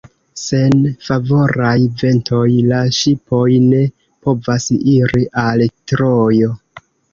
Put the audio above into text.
Sen favoraj ventoj, la ŝipoj ne povas iri al Trojo.